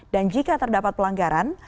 dan jika terdapat pelanggaran